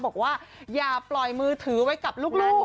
บอกว่าอย่าปล่อยมือถือไว้กับลูก